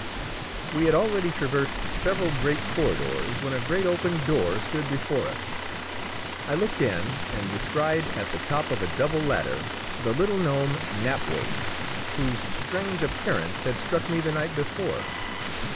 We had already traversed several great corridors when a great open door stood before us. I looked in, and descried, at the top of a double ladder, the little gnome Knapwurst, whose strange appearance had struck me the night before.